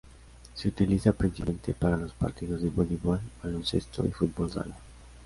Se utiliza principalmente para los partidos de voleibol, baloncesto y fútbol sala.